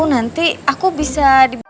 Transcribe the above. nanti aku bisa diberi